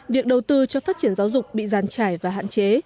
việc đầu tư cho phát triển giáo dục bị giàn trải và hạn chế